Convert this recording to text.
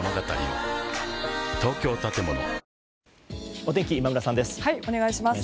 お天気、今村さんです。